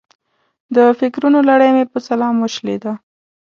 د فکرونو لړۍ مې په سلام وشلېده.